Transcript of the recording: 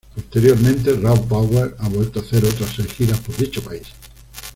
Posteriormente, Raw Power ha vuelto a hacer otras seis giras por dicho país.